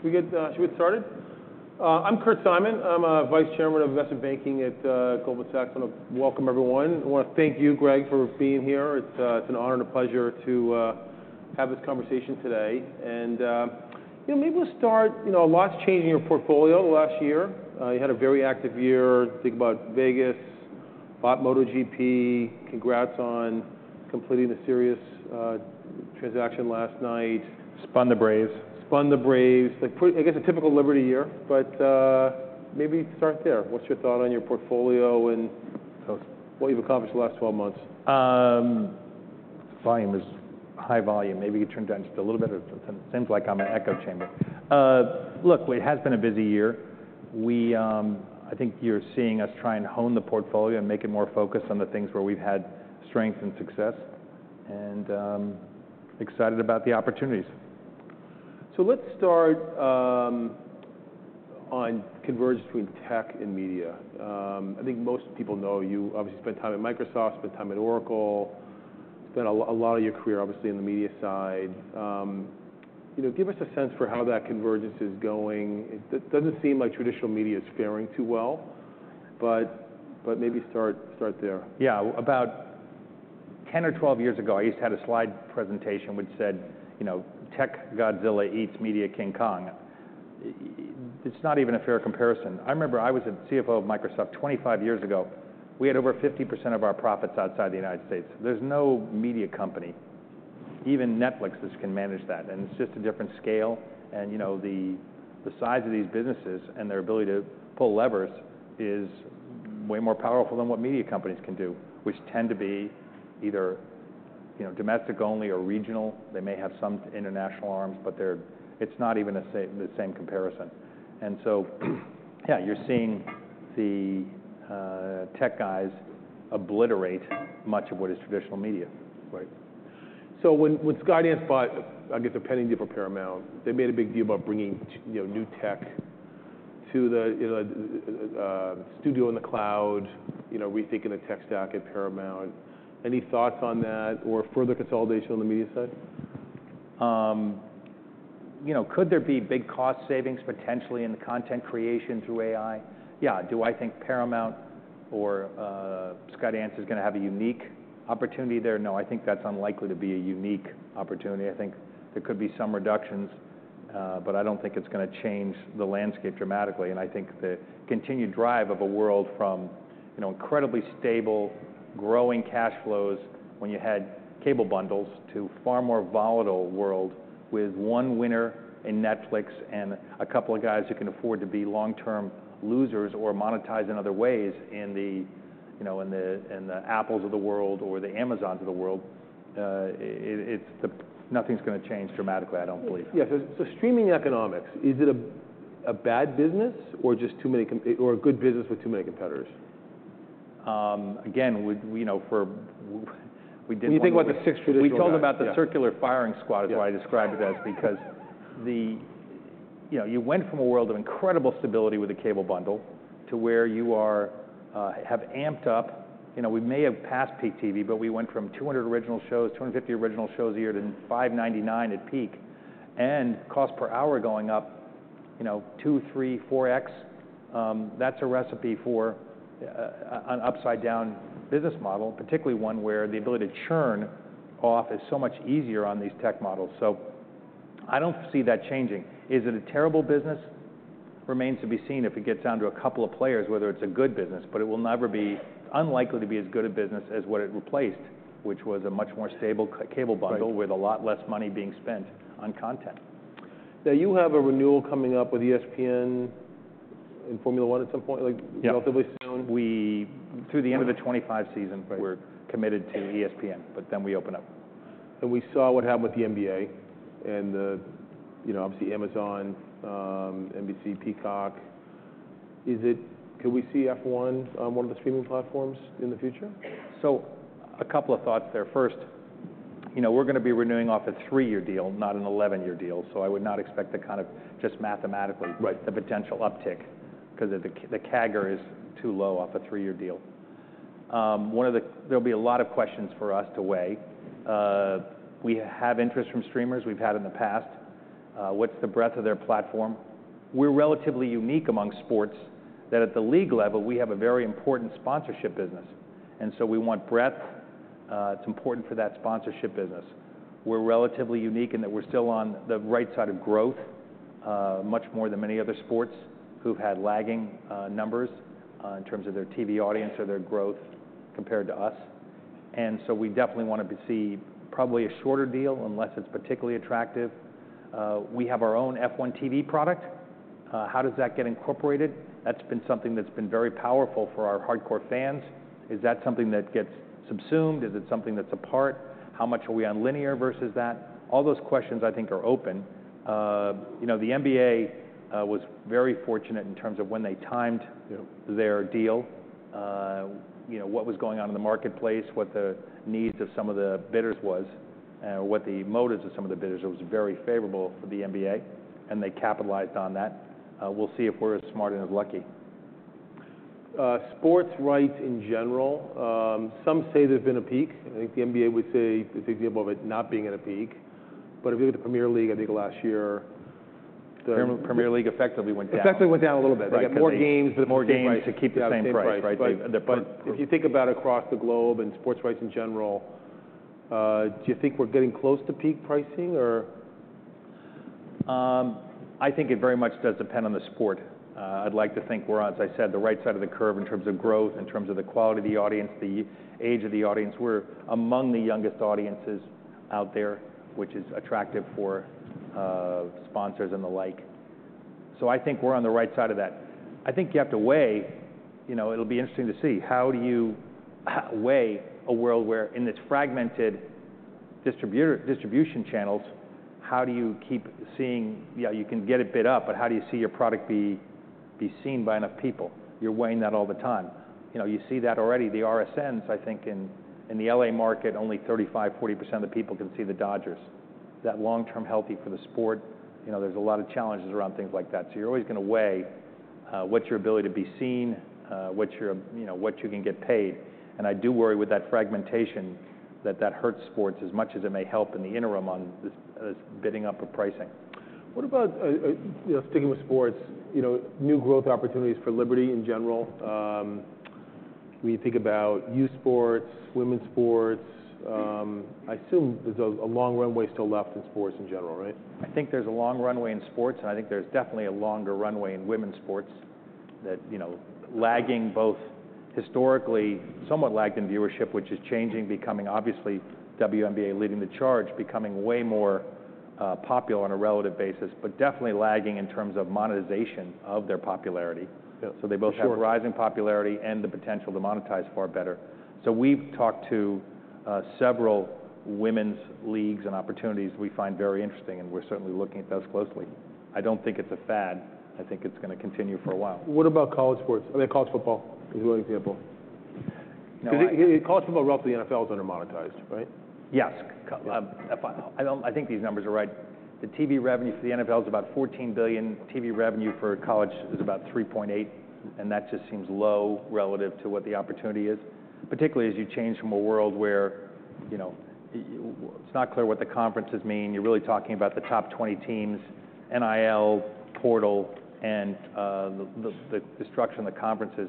Okay, should we get started? I'm Kurt Simon. I'm Vice Chairman of Investment Banking at Goldman Sachs. I wanna welcome everyone. I wanna thank you, Greg, for being here. It's an honor and a pleasure to have this conversation today. And you know, maybe we'll start, you know, a lot's changed in your portfolio in the last year. You had a very active year. Think about Vegas, bought MotoGP. Congrats on completing the Sirius transaction last night. Spun the Braves. Spun the Braves. Like, pretty I guess, a typical Liberty year, but, maybe start there. What's your thought on your portfolio and what you've accomplished in the last 12 months? Volume is high. Maybe you turn it down just a little bit? It seems like I'm an echo chamber. Look, it has been a busy year. We, I think you're seeing us try and hone the portfolio and make it more focused on the things where we've had strength and success, and excited about the opportunities. Let's start on convergence between tech and media. I think most people know you. Obviously, you spent time at Microsoft, spent time at Oracle, spent a lot of your career, obviously, on the media side. You know, give us a sense for how that convergence is going. It doesn't seem like traditional media is faring too well, but maybe start there. Yeah. About ten or twelve years ago, I used to have a slide presentation which said, you know, "Tech Godzilla eats Media King Kong." It's not even a fair comparison. I remember I was a CFO of Microsoft twenty-five years ago. We had over 50% of our profits outside the United States. There's no media company, even Netflix, that can manage that, and it's just a different scale. And, you know, the size of these businesses and their ability to pull levers is way more powerful than what media companies can do, which tend to be either, you know, domestic only or regional. They may have some international arms, but they're-- it's not even the same comparison. And so yeah, you're seeing the tech guys obliterate much of what is traditional media. Right. So when Skydance bought, I guess, the pending deal for Paramount, they made a big deal about bringing you know, new tech to the, you know, the, the studio in the cloud, you know, rethinking the tech stack at Paramount. Any thoughts on that or further consolidation on the media side? you know, could there be big cost savings potentially in the content creation through AI? Yeah. Do I think Paramount or Skydance is gonna have a unique opportunity there? No, I think that's unlikely to be a unique opportunity. I think there could be some reductions, but I don't think it's gonna change the landscape dramatically. And I think the continued drive of a world from, you know, incredibly stable, growing cash flows when you had cable bundles, to a far more volatile world with one winner in Netflix and a couple of guys who can afford to be long-term losers or monetized in other ways, in the, you know, Apples of the world or the Amazons of the world, it's the nothing's gonna change dramatically, I don't believe. Yeah. So streaming economics, is it a bad business or just too many or a good business with too many competitors? Again, we, you know, we did one- Can you think about the six traditional- We talked about the circular firing squad- Yeah... is what I described it as... because the you know, you went from a world of incredible stability with the cable bundle to where you are, have amped up. You know, we may have passed peak TV, but we went from two hundred original shows, two hundred and fifty original shows a year, to five ninety-nine at peak, and cost per hour going up, you know, two, three, four X. That's a recipe for an upside-down business model, particularly one where the ability to churn off is so much easier on these tech models. So I don't see that changing. Is it a terrible business? Remains to be seen if it gets down to a couple of players, whether it's a good business, but it will never be unlikely to be as good a business as what it replaced, which was a much more stable cable bundle. Right... with a lot less money being spent on content. Now, you have a renewal coming up with ESPN and Formula One at some point, like. Yeah... relatively soon? Through the end of the 2025 season. Right... we're committed to ESPN, but then we open up. And we saw what happened with the NBA and the, you know, obviously Amazon, NBC, Peacock. Could we see F1 on one of the streaming platforms in the future? So a couple of thoughts there. First, you know, we're gonna be renewing off a three-year deal, not an eleven-year deal, so I would not expect the kind of just mathematically- Right... the potential uptick, 'cause the CAGR is too low off a three-year deal. There'll be a lot of questions for us to weigh. We have interest from streamers, we've had in the past. What's the breadth of their platform? We're relatively unique among sports, that at the league level, we have a very important sponsorship business, and so we want breadth. It's important for that sponsorship business. We're relatively unique in that we're still on the right side of growth, much more than many other sports who've had lagging numbers, in terms of their TV audience or their growth compared to us. So we definitely want to see probably a shorter deal, unless it's particularly attractive. We have our own F1 TV product. How does that get incorporated? That's been something that's been very powerful for our hardcore fans. Is that something that gets subsumed? Is it something that's a part? How much are we on linear versus that? All those questions, I think, are open. You know, the NBA was very fortunate in terms of when they timed, you know, their deal, you know, what was going on in the marketplace, what the needs of some of the bidders was, what the motives of some of the bidders was, it was very favorable for the NBA, and they capitalized on that. We'll see if we're as smart and as lucky.... sports rights in general, some say there's been a peak. I think the NBA would say it's example of it not being at a peak. But if you look at the Premier League, I think last year, the- Premier League effectively went down. Effectively went down a little bit. Right. They got more games, but- More games to keep the same price.... Yeah, the same price. Right? But the- But if you think about across the globe and sports rights in general, do you think we're getting close to peak pricing, or...? I think it very much does depend on the sport. I'd like to think we're, as I said, the right side of the curve in terms of growth, in terms of the quality of the audience, the age of the audience. We're among the youngest audiences out there, which is attractive for sponsors and the like. So I think we're on the right side of that. I think you have to weigh, you know, it'll be interesting to see how do you weigh a world where in this fragmented distribution channels, how do you keep seeing. Yeah, you can get it bid up, but how do you see your product be seen by enough people? You're weighing that all the time. You know, you see that already. The RSNs, I think, in the LA market, only 35%-40% of the people can see the Dodgers. Is that long-term healthy for the sport? You know, there's a lot of challenges around things like that. So you're always going to weigh what's your ability to be seen, what's your, you know, what you can get paid. And I do worry with that fragmentation that hurts sports as much as it may help in the interim on this bidding up of pricing. What about, you know, sticking with sports, you know, new growth opportunities for Liberty in general? When you think about youth sports, women's sports, I assume there's a long runway still left in sports in general, right? I think there's a long runway in sports, and I think there's definitely a longer runway in women's sports that, you know, lagging both historically, somewhat lagged in viewership, which is changing, becoming obviously WNBA leading the charge, becoming way more popular on a relative basis, but definitely lagging in terms of monetization of their popularity. Yeah, sure. So they both have rising popularity and the potential to monetize far better. So we've talked to several women's leagues and opportunities we find very interesting, and we're certainly looking at those closely. I don't think it's a fad. I think it's going to continue for a while. What about college sports? I mean, college football is one example. Now I- 'Cause college football, roughly, NFL is under-monetized, right? Yes. I think these numbers are right. The TV revenue for the NFL is about $14 billion. TV revenue for college is about $3.8 billion, and that just seems low relative to what the opportunity is, particularly as you change from a world where, you know, it's not clear what the conferences mean. You're really talking about the top 20 teams, NIL, portal, and the structure in the conferences.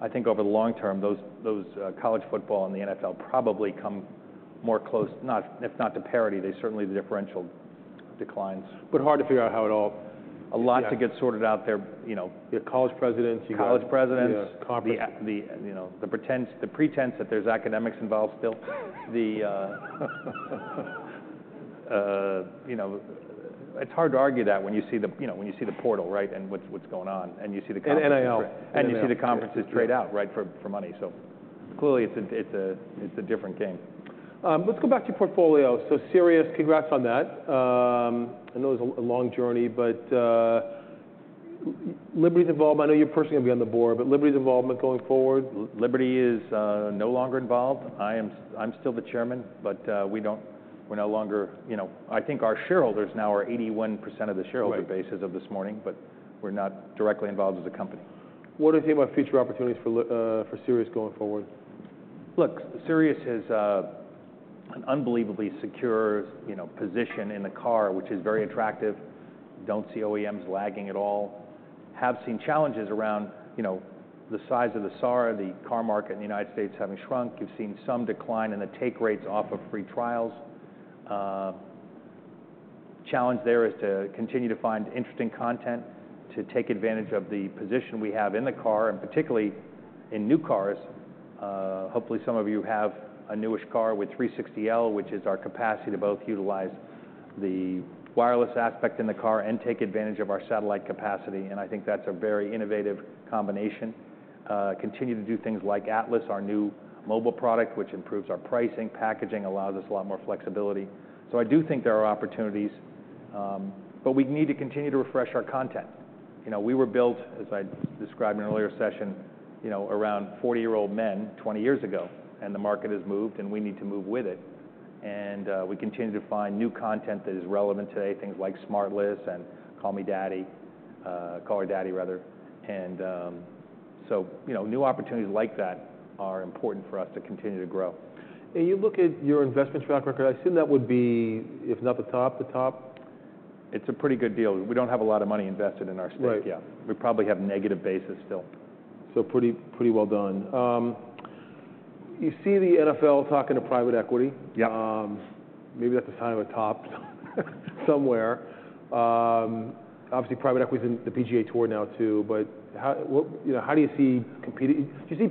I think over the long term, those college football and the NFL probably come more close, not, if not to parity, there's certainly the differential declines. But hard to figure out how it all... Yeah. A lot to get sorted out there, you know? You have college presidents, you got- College presidents- The conference. You know, the pretense that there's academics involved still. You know, it's hard to argue that when you see the portal, right, and what's going on, and you see the conferences- And NIL. And you see the conferences trade out- Yeah... right, for money. So clearly, it's a different game. Let's go back to your portfolio. Sirius, congrats on that. I know it's a long journey, but Liberty's involved. I know you're personally going to be on the board, but Liberty's involvement going forward? Liberty is no longer involved. I'm still the chairman, but we don't... We're no longer... You know, I think our shareholders now are 81% of the shareholder- Right... base as of this morning, but we're not directly involved as a company. What do you think about future opportunities for Sirius going forward? Look, Sirius has an unbelievably secure, you know, position in the car, which is very attractive. Don't see OEMs lagging at all. Have seen challenges around, you know, the size of the SAR, the car market in the United States having shrunk. You've seen some decline in the take rates off of free trials. Challenge there is to continue to find interesting content to take advantage of the position we have in the car, and particularly in new cars. Hopefully, some of you have a newish car with 360L, which is our capacity to both utilize the wireless aspect in the car and take advantage of our satellite capacity, and I think that's a very innovative combination. Continue to do things like Atlas, our new mobile product, which improves our pricing, packaging, allows us a lot more flexibility. I do think there are opportunities, but we need to continue to refresh our content. You know, we were built, as I described in an earlier session, you know, around forty-year-old men twenty years ago, and the market has moved, and we need to move with it. We continue to find new content that is relevant today, things like SmartLess and Call Her Daddy, rather. You know, new opportunities like that are important for us to continue to grow. And you look at your investment track record, I assume that would be, if not the top, the top? It's a pretty good deal. We don't have a lot of money invested in our stake. Right. Yeah. We probably have negative basis still. So pretty, pretty well done. You see the NFL talking to private equity. Yeah. Maybe that's a sign of a top somewhere. Obviously, private equity in the PGA Tour now, too, but how, what... You know, how do you see competing? Do you see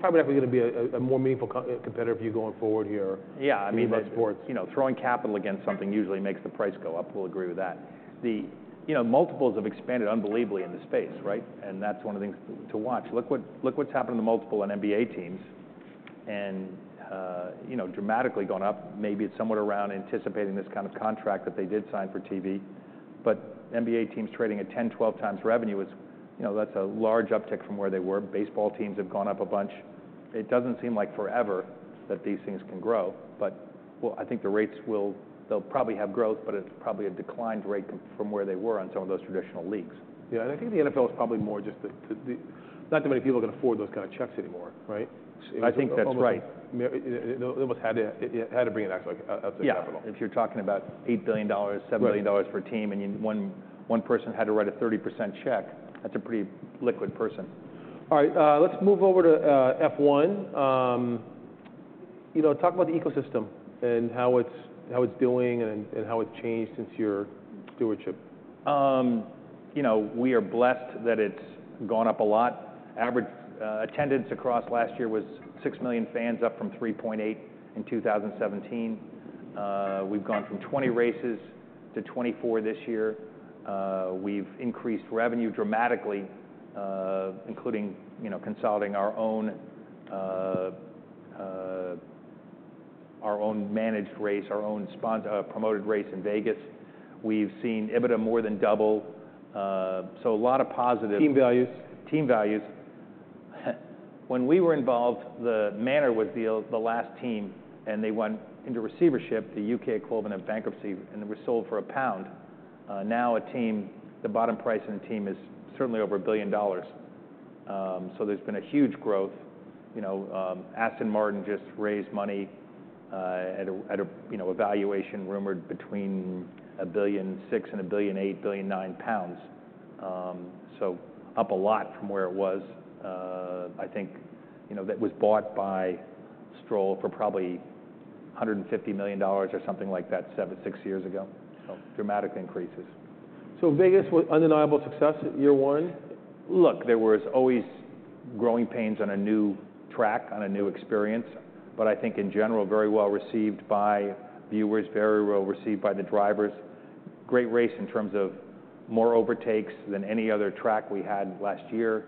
private equity going to be a more meaningful competitor for you going forward here- Yeah, I mean- In most sports?... you know, throwing capital against something usually makes the price go up. We'll agree with that. The, you know, multiples have expanded unbelievably in this space, right? And that's one of the things to watch. Look what, look what's happened to multiples on NBA teams, and, you know, dramatically gone up. Maybe it's somewhat around anticipating this kind of contract that they did sign for TV, but NBA teams trading at ten, twelve times revenue is, you know, that's a large uptick from where they were. Baseball teams have gone up a bunch.... It doesn't seem like forever that these things can grow, but, well, I think the rates will, they'll probably have growth, but it's probably a declined rate compared from where they were on some of those traditional leagues. Yeah, and I think the NFL is probably more just the not too many people can afford those kind of checks anymore, right? I think that's right. They almost had to. They had to bring in actual, outside capital. Yeah, if you're talking about $8 billion- Right... $7 billion per team, and one person had to write a 30% check, that's a pretty liquid person. All right, let's move over to F1. You know, talk about the ecosystem and how it's doing, and how it's changed since your stewardship. You know, we are blessed that it's gone up a lot. Average attendance across last year was 6 million fans, up from 3.8 in 2017. We've gone from 20 races to 24 this year. We've increased revenue dramatically, including, you know, consolidating our own managed race, our own promoted race in Vegas. We've seen EBITDA more than double. So a lot of positive- Team values? Team values. When we were involved, the Manor was the last team, and they went into receivership, the U.K. equivalent of bankruptcy, and it was sold for GBP 1. Now, a team, the bottom price of a team is certainly over $1 billion. So there's been a huge growth. You know, Aston Martin just raised money at a valuation rumored between 1.6 billion and 1.9 billion. So up a lot from where it was. I think, you know, that was bought by Stroll for probably $150 million or something like that, six, seven years ago. So dramatic increases. So, biggest undeniable success, year one? Look, there was always growing pains on a new track, on a new experience, but I think in general, very well-received by viewers, very well-received by the drivers. Great race in terms of more overtakes than any other track we had last year.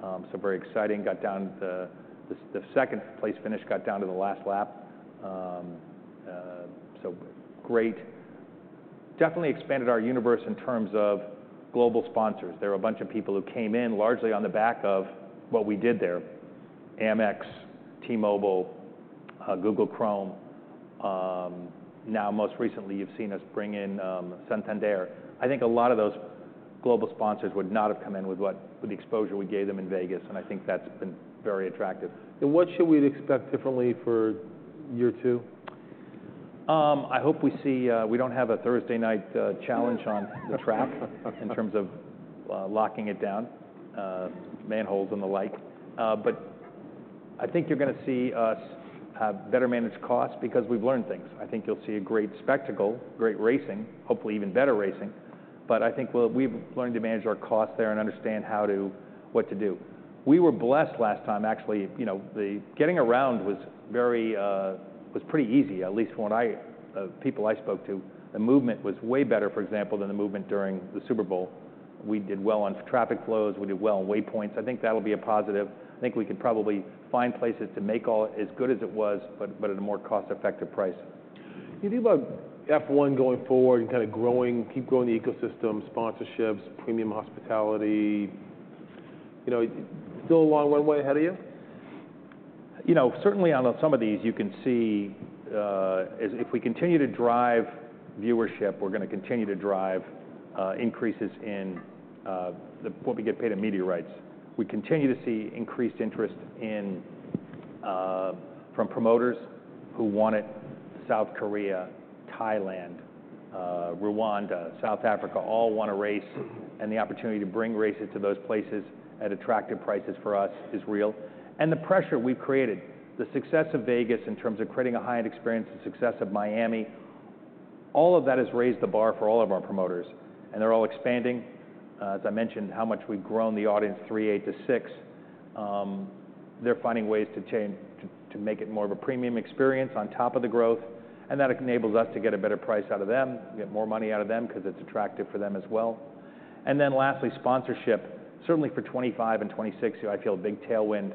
So very exciting. Got down the... The second-place finish got down to the last lap. So great. Definitely expanded our universe in terms of global sponsors. There are a bunch of people who came in largely on the back of what we did there: Amex, T-Mobile, Google Chrome. Now, most recently, you've seen us bring in Santander. I think a lot of those global sponsors would not have come in with what- with the exposure we gave them in Vegas, and I think that's been very attractive. What should we expect differently for year two? I hope we see we don't have a Thursday night challenge on the track in terms of locking it down, manholes and the like. But I think you're gonna see us better manage costs because we've learned things. I think you'll see a great spectacle, great racing, hopefully even better racing, but I think we've learned to manage our costs there and understand what to do. We were blessed last time, actually, you know, getting around was pretty easy, at least when people I spoke to. The movement was way better, for example, than the movement during the Super Bowl. We did well on traffic flows, we did well on waypoints. I think that'll be a positive. I think we could probably find places to make all as good as it was, but at a more cost-effective price. You think about F1 going forward and kinda growing, keep growing the ecosystem, sponsorships, premium hospitality, you know, still a long way ahead of you? You know, certainly on some of these, you can see, if we continue to drive viewership, we're gonna continue to drive increases in what we get paid in media rights. We continue to see increased interest from promoters who want it. South Korea, Thailand, Rwanda, South Africa, all want a race, and the opportunity to bring races to those places at attractive prices for us is real. The pressure we've created, the success of Vegas in terms of creating a high-end experience, the success of Miami, all of that has raised the bar for all of our promoters, and they're all expanding. As I mentioned, how much we've grown the audience, 3.8 to 6. They're finding ways to make it more of a premium experience on top of the growth, and that enables us to get a better price out of them, get more money out of them because it's attractive for them as well. And then lastly, sponsorship. Certainly for 2025 and 2026, you know, I feel a big tailwind.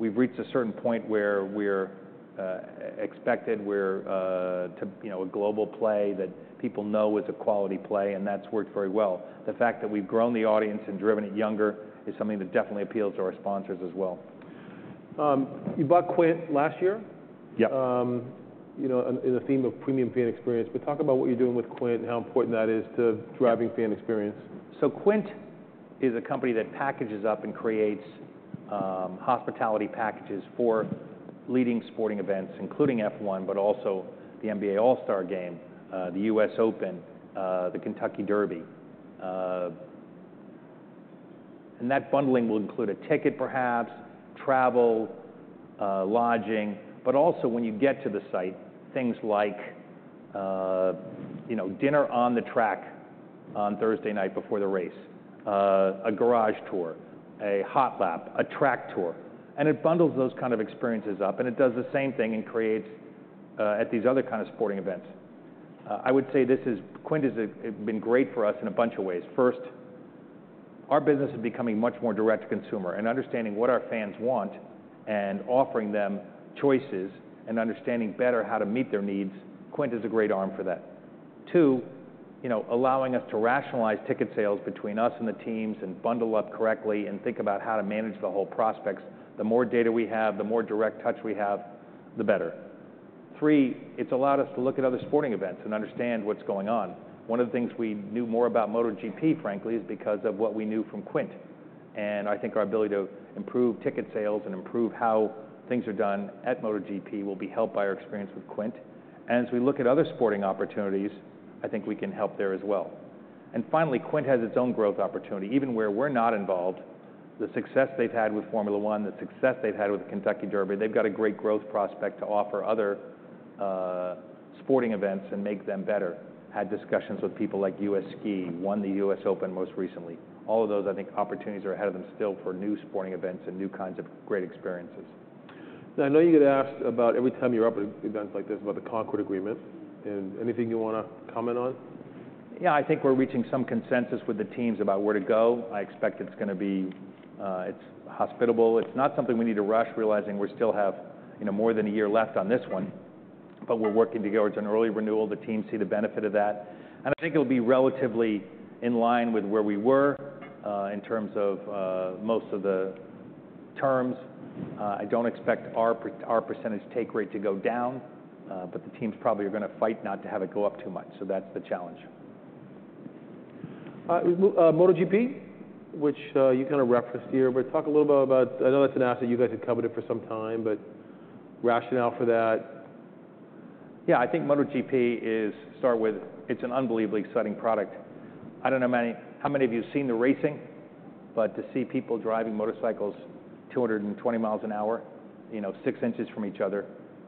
We've reached a certain point where we're expected to, you know, a global play that people know is a quality play, and that's worked very well. The fact that we've grown the audience and driven it younger is something that definitely appeals to our sponsors as well. You bought Quint last year? Yep. You know, in the theme of premium fan experience, but talk about what you're doing with Quint and how important that is to driving fan experience. Quint is a company that packages up and creates hospitality packages for leading sporting events, including F1, but also the NBA All-Star Game, the US Open, the Kentucky Derby. And that bundling will include a ticket perhaps, travel, lodging, but also when you get to the site, things like, you know, dinner on the track on Thursday night before the race, a garage tour, a hot lap, a track tour. And it bundles those kind of experiences up, and it does the same thing and creates at these other kind of sporting events. I would say Quint has been great for us in a bunch of ways. First, our business is becoming much more direct to consumer and understanding what our fans want and offering them choices and understanding better how to meet their needs. Quint is a great arm for that. Two, you know, allowing us to rationalize ticket sales between us and the teams and bundle up correctly and think about how to manage the whole prospects. The more data we have, the more direct touch we have, the better. Three, it's allowed us to look at other sporting events and understand what's going on. One of the things we knew more about MotoGP, frankly, is because of what we knew from Quint. And I think our ability to improve ticket sales and improve how things are done at MotoGP will be helped by our experience with Quint. And as we look at other sporting opportunities, I think we can help there as well. Finally, Quint has its own growth opportunity. Even where we're not involved, the success they've had with Formula One, the success they've had with the Kentucky Derby, they've got a great growth prospect to offer other, sporting events and make them better. Had discussions with people like U.S. Ski. Won the U.S. Open most recently. All of those, I think, opportunities are ahead of them still for new sporting events and new kinds of great experiences. Now, I know you get asked about every time you're up at events like this about the Concorde Agreement, and anything you wanna comment on? Yeah, I think we're reaching some consensus with the teams about where to go. I expect it's gonna be, it's hospitable. It's not something we need to rush, realizing we still have, you know, more than a year left on this one, but we're working together towards an early renewal. The teams see the benefit of that, and I think it'll be relatively in line with where we were, in terms of most of the terms. I don't expect our percentage take rate to go down, but the teams probably are gonna fight not to have it go up too much, so that's the challenge. MotoGP, which you kinda referenced here, but talk a little about... I know that's an asset you guys have coveted for some time, but rationale for that. Yeah, I think MotoGP is, to start with, it's an unbelievably exciting product. I don't know how many of you have seen the racing, but to see people driving motorcycles two hundred and twenty miles an hour, you know, six inches from each other,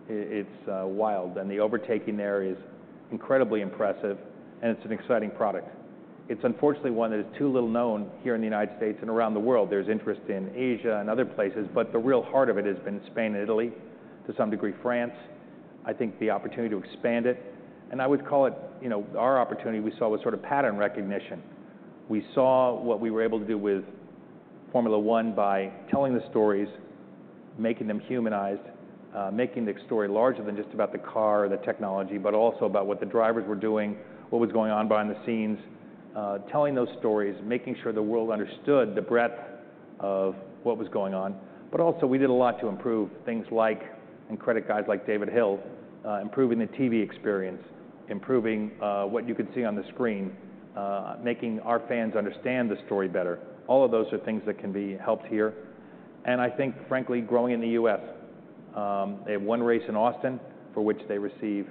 it's wild, and the overtaking there is incredibly impressive, and it's an exciting product. It's unfortunately one that is too little known here in the United States and around the world. There's interest in Asia and other places, but the real heart of it has been Spain and Italy, to some degree, France. I think the opportunity to expand it, and I would call it, you know, our opportunity we saw was sort of pattern recognition. We saw what we were able to do with Formula One by telling the stories, making them humanized, making the story larger than just about the car or the technology, but also about what the drivers were doing, what was going on behind the scenes, telling those stories, making sure the world understood the breadth of what was going on. But also, we did a lot to improve things like, and credit guys like David Hill, improving the TV experience, improving what you could see on the screen, making our fans understand the story better. All of those are things that can be helped here, and I think, frankly, growing in the US. They have one race in Austin, for which they receive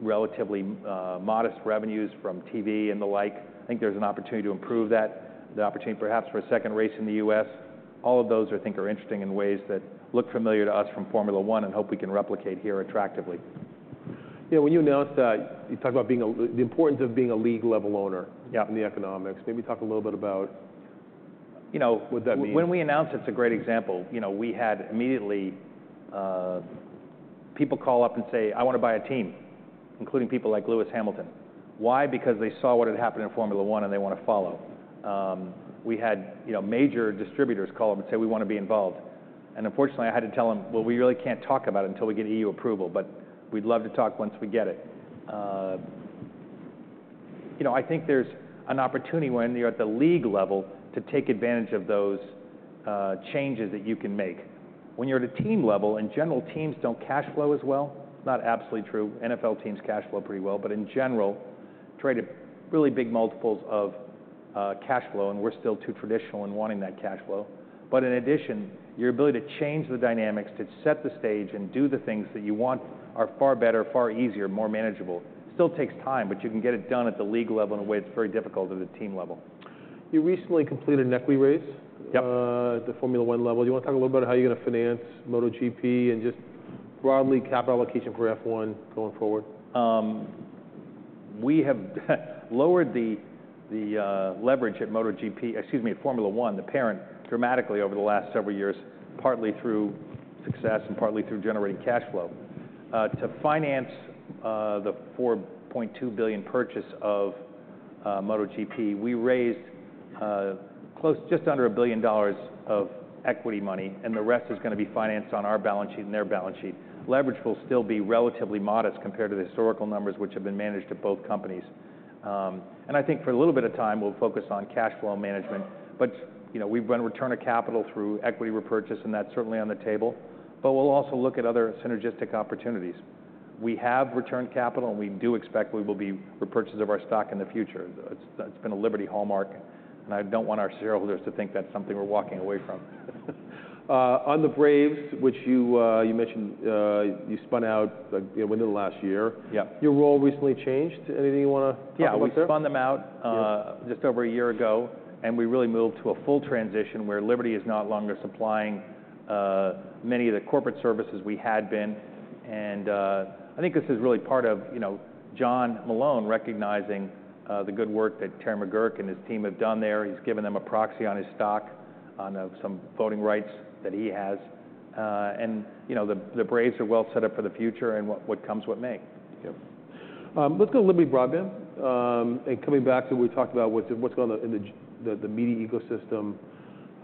relatively modest revenues from TV and the like. I think there's an opportunity to improve that, the opportunity perhaps for a second race in the U.S. All of those I think are interesting in ways that look familiar to us from Formula One and hope we can replicate here attractively. Yeah, when you announced that, you talked about the importance of being a league-level owner. Yeah... in the economics. Maybe talk a little bit about- You know- What that means. When we announced, it's a great example. You know, we had immediately, people call up and say, "I want to buy a team," including people like Lewis Hamilton. Why? Because they saw what had happened in Formula One and they want to follow. We had, you know, major distributors call up and say, "We want to be involved." And unfortunately, I had to tell them, "Well, we really can't talk about it until we get EU approval, but we'd love to talk once we get it." You know, I think there's an opportunity when you're at the league level to take advantage of those, changes that you can make. When you're at a team level, in general, teams don't cash flow as well. Not absolutely true. NFL teams cash flow pretty well, but in general, trade at really big multiples of cash flow, and we're still too traditional in wanting that cash flow. But in addition, your ability to change the dynamics, to set the stage and do the things that you want, are far better, far easier, more manageable. Still takes time, but you can get it done at the league level in a way that's very difficult at the team level. You recently completed an equity raise- Yep... at the Formula One level. You want to talk a little about how you're going to finance MotoGP and just broadly, capital allocation for F1 going forward? We have lowered the leverage at MotoGP. Excuse me, Formula One, the parent, dramatically over the last several years, partly through success and partly through generating cash flow. To finance the $4.2 billion purchase of MotoGP, we raised just under $1 billion of equity money, and the rest is gonna be financed on our balance sheet and their balance sheet. Leverage will still be relatively modest compared to the historical numbers which have been managed at both companies. I think for a little bit of time, we will focus on cash flow management, but you know, we have run return of capital through equity repurchase, and that is certainly on the table. We will also look at other synergistic opportunities. We have returned capital, and we do expect we will be repurchasing of our stock in the future. That's been a Liberty hallmark, and I don't want our shareholders to think that's something we're walking away from. On the Braves, which you mentioned, you know, within the last year. Yeah. Your role recently changed. Anything you wanna talk about there? Yeah, we spun them out- Yeah... just over a year ago, and we really moved to a full transition where Liberty is no longer supplying, many of the corporate services we had been. And, I think this is really part of, you know, John Malone recognizing, the good work that Terry McGuirk and his team have done there. He's given them a proxy on his stock, on, some voting rights that he has. And, you know, the Braves are well set up for the future and what comes with May. Yep. Let's go to Liberty Broadband, and coming back to what we talked about, what's going on in the media ecosystem.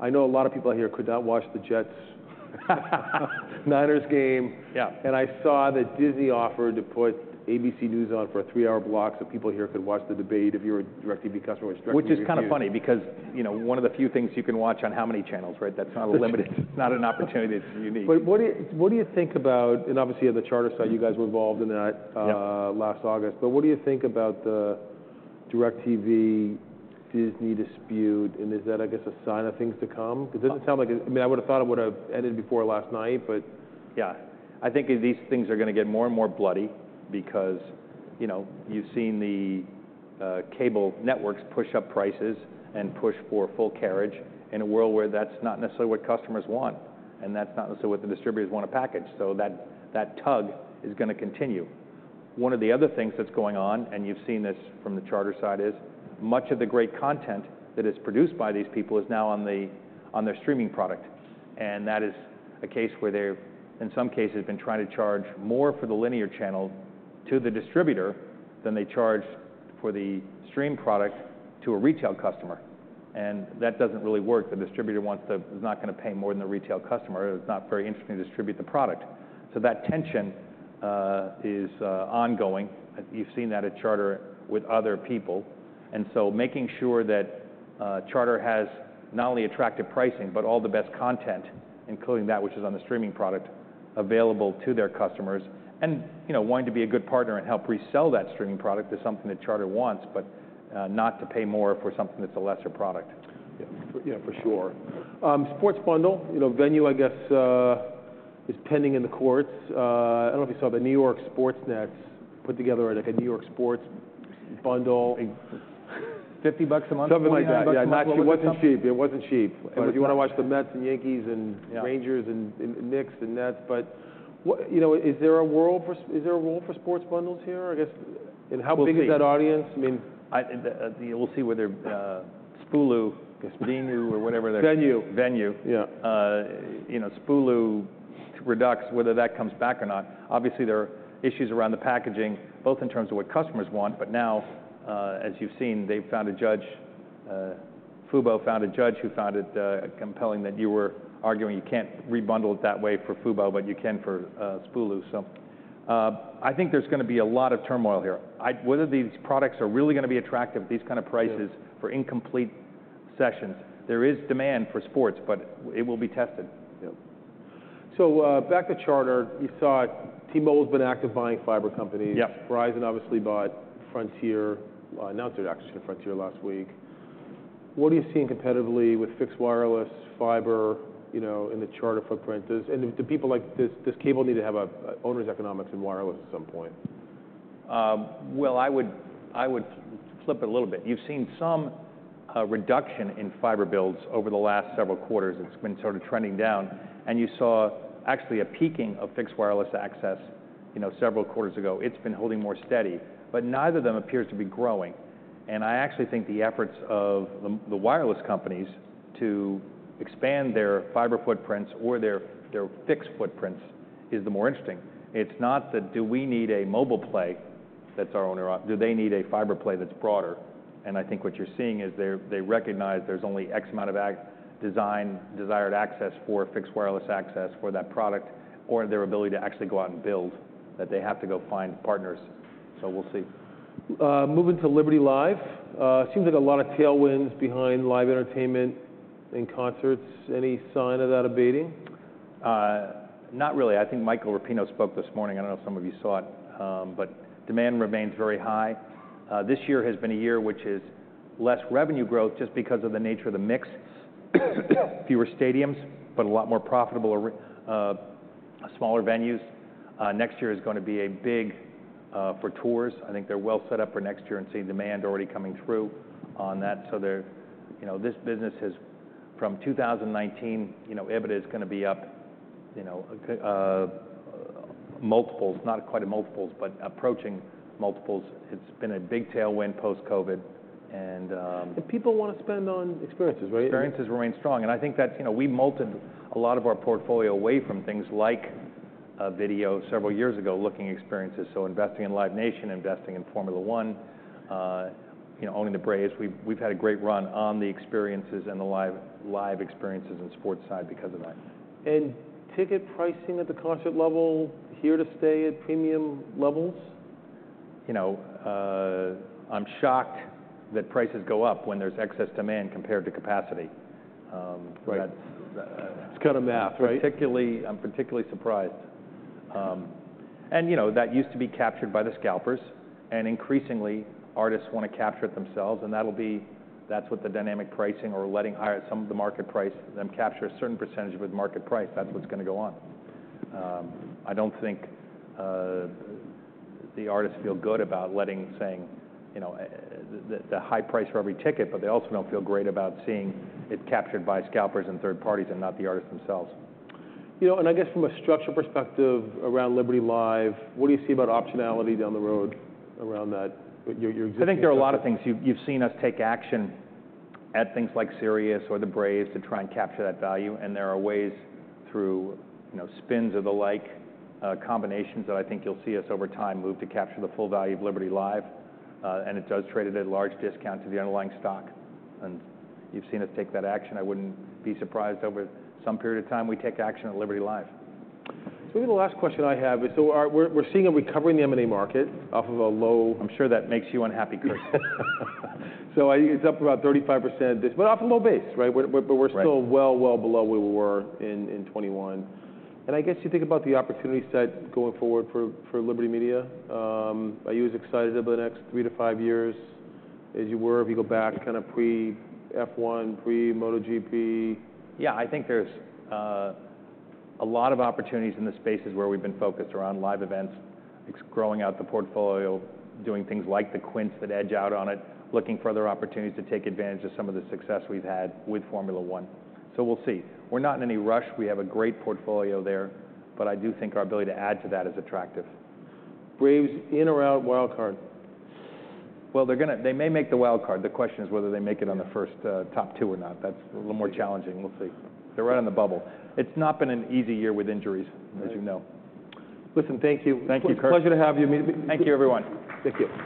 I know a lot of people out here could not watch the Jets-Niners game. Yeah. I saw that Disney offered to put ABC News on for a three-hour block, so people here could watch the debate if you're a DirecTV customer, which DirecTV refused. Which is kind of funny, because, you know, one of the few things you can watch on how many channels, right? That's kind of limited. It's not an opportunity that's unique. But what do you think about... And obviously, on the Charter side, you guys were involved in that- Yeah... last August. But what do you think about the DirecTV-Disney dispute, and is that, I guess, a sign of things to come? 'Cause it doesn't sound like- I mean, I would've thought it would've ended before last night, but- Yeah. I think these things are gonna get more and more bloody because, you know, you've seen the cable networks push up prices and push for full carriage in a world where that's not necessarily what customers want, and that's not necessarily what the distributors want to package, so that tug is gonna continue. One of the other things that's going on, and you've seen this from the Charter side, is much of the great content that is produced by these people is now on their streaming product, and that is a case where they've, in some cases, been trying to charge more for the linear channel to the distributor than they charge for the stream product to a retail customer, and that doesn't really work. The distributor is not gonna pay more than the retail customer. It's not very interesting to distribute the product, so that tension is ongoing. You've seen that at Charter with other people, and so making sure that Charter has not only attractive pricing, but all the best content, including that which is on the streaming product, available to their customers, and you know, wanting to be a good partner and help resell that streaming product is something that Charter wants, but not to pay more for something that's a lesser product. Yeah, yeah, for sure. Sports bundle, you know, Venu, I guess, is pending in the courts. I don't know if you saw the New York Sports Networks put together, like, a New York sports bundle and- $50 a month or something like that? Something like that. Yeah, it actually wasn't cheap. It wasn't cheap. But- If you wanna watch the Mets, and Yankees, and- Yeah... Rangers, and Knicks, the Nets, but what... You know, is there a role for sports bundles here, I guess? We'll see. How big is that audience? I mean, we'll see whether Spulu, I guess, Venu or whatever their- Venue. Venue. Yeah. You know, Spulu Redux, whether that comes back or not. Obviously, there are issues around the packaging, both in terms of what customers want, but now, as you've seen, Fubo found a judge who found it compelling that you were arguing you can't rebundle it that way for Fubo, but you can for Spulu. So, I think there's gonna be a lot of turmoil here. Whether these products are really gonna be attractive at these kind of prices- Yeah... for incomplete sessions. There is demand for sports, but it will be tested. Yeah. Back to Charter, you saw T-Mobile's been active buying fiber companies. Yeah. Verizon obviously bought Frontier, announced it actually, Frontier last week. What are you seeing competitively with fixed wireless fiber, you know, in the Charter footprint? And do people like... Does cable need to have a ownership economics in wireless at some point? I would flip it a little bit. You've seen some reduction in fiber builds over the last several quarters, and it's been sort of trending down, and you saw actually a peaking of fixed wireless access, you know, several quarters ago. It's been holding more steady, but neither of them appears to be growing, and I actually think the efforts of the wireless companies to expand their fiber footprints or their fixed footprints is the more interesting. It's not the, do we need a mobile play that's our owner op- do they need a fiber play that's broader? And I think what you're seeing is they recognize there's only X amount of ac- design desired access for fixed wireless access for that product, or their ability to actually go out and build, that they have to go find partners. So we'll see. Moving to Liberty Live, seems like a lot of tailwinds behind live entertainment and concerts. Any sign of that abating? Not really. I think Michael Rapino spoke this morning. I don't know if some of you saw it, but demand remains very high. This year has been a year which is less revenue growth just because of the nature of the mix. Fewer stadiums, but a lot more profitable smaller venues. Next year is gonna be a big for tours. I think they're well set up for next year and seeing demand already coming through on that. You know, this business has, from 2019, you know, EBITDA is gonna be up, you know, multiples, not quite multiples, but approaching multiples. It's been a big tailwind post-COVID, and People wanna spend on experiences, right? Experiences remain strong, and I think that's, you know, we molded a lot of our portfolio away from things like video several years ago, looking at experiences, so investing in Live Nation, investing in Formula 1, you know, owning the Braves. We've had a great run on the experiences and the live experiences and sports side because of that. Ticket pricing at the concert level here to stay at premium levels? You know, I'm shocked that prices go up when there's excess demand compared to capacity. Right... that's, It's kind of math, right? Particularly, I'm particularly surprised, and you know, that used to be captured by the scalpers, and increasingly, artists want to capture it themselves, and that'll be. That's what the dynamic pricing or letting higher some of the market price, them capture a certain percentage of the market price, that's what's gonna go on. I don't think the artists feel good about saying, you know, the high price for every ticket, but they also don't feel great about seeing it captured by scalpers and third parties and not the artists themselves. You know, and I guess from a structural perspective around Liberty Live, what do you see about optionality down the road around that, with your, your existing- I think there are a lot of things. You've seen us take action at things like Sirius or the Braves to try and capture that value, and there are ways through, you know, spins or the like, combinations that I think you'll see us over time move to capture the full value of Liberty Live. And it does trade at a large discount to the underlying stock, and you've seen us take that action. I wouldn't be surprised if over some period of time we take action on Liberty Live. So maybe the last question I have is, so are we seeing a recovery in the M&A market off of a low- I'm sure that makes you unhappy, Kurt. It's up about 35% this- but off a low base, right? We're- Right... but we're still well, well below where we were in 2021. And I guess you think about the opportunity set going forward for Liberty Media, are you as excited about the next three to five years as you were if you go back kind of pre-F1, pre-MotoGP? Yeah, I think there's a lot of opportunities in the spaces where we've been focused, around live events, growing out the portfolio, doing things like the QuintEvents that edge out on it, looking for other opportunities to take advantage of some of the success we've had with Formula 1. So we'll see. We're not in any rush. We have a great portfolio there, but I do think our ability to add to that is attractive. Braves, in or out wild card? They may make the wild card. The question is whether they make it on the first top two or not. Yeah. That's a little more challenging. We'll see. They're right on the bubble. It's not been an easy year with injuries- Right... as you know. Listen, thank you. Thank you, Chris. Pleasure to have you. Thank you, everyone. Thank you.